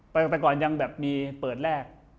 มันตะก่อนยังเปิดแรก